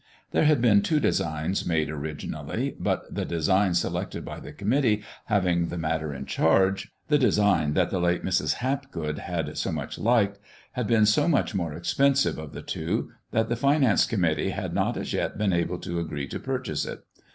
There had been two designs made originally, but the design selected by the committee having the matter in charge (the design that the late Mrs. Hapgood had so much liked) had been so much the more expensive of the two that the finance committee had not as yet been able to agree to purchase it.